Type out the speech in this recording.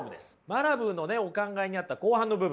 マラブーのお考えにあった後半の部分。